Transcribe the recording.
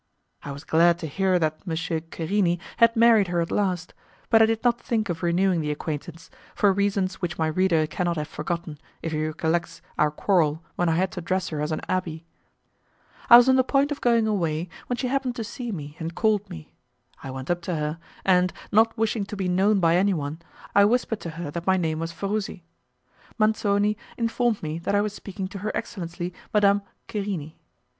I was glad to hear that M. Querini had married her at last, but I did not think of renewing the acquaintance, for reasons which my reader cannot have forgotten if he recollects our quarrel when I had to dress her as an abbé. I was on the point of going away when she happened to see me and called me. I went up to her, and, not wishing to be known by anyone, I whispered to her that my name was Farusi. Manzoni informed me that I was speaking to her excellency, Madame Querini.